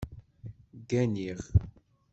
Gganiɣ